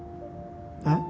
えっ？